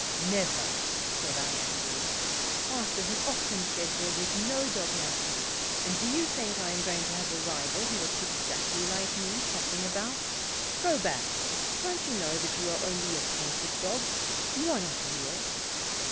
" Never," said I angrily. " Master has often said that there was no dog like me, and do you think I am going to have a rival who looks exactly like me, trotting about ? Go back. Don't you know that you are only a painted dog ? You are not real."